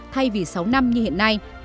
thay vì sáu năm như hiện nay